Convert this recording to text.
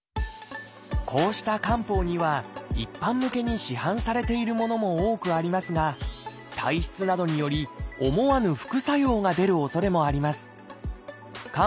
こうした漢方には一般向けに市販されているものも多くありますが体質などにより思わぬ副作用が出るおそれもあります。